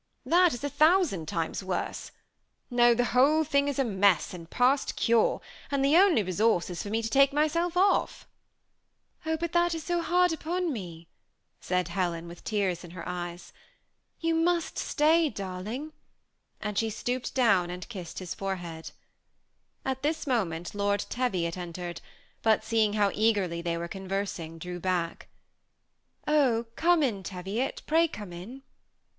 ^^That is k thousand times worse. No, the whole thing is a mess, and past cure, and the only resource, is, for me to taie myself oflF." " Oh ! but that is so hard upon me," said Helen, with tears in her eyes. " You must stay, darling ;" and she stooped down and kissed his forehead. At this moment Lord Teviot entered, but seeing how eagerly they were conversing, he drew back. "Oh, come in, Teviot, pray come in!"